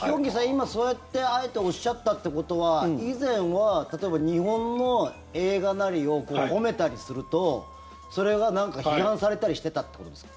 今、そうやってあえておっしゃったってことは以前は例えば日本の映画なりを褒めたりするとそれが批判されたりしてたってことですか。